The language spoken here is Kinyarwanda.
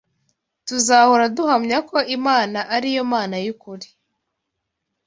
tuzahora duhamya ko Imana ari yo Mana y’ukuri